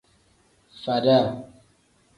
Faada.